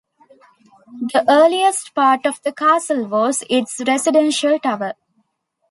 The earliest part of the castle was its residential tower.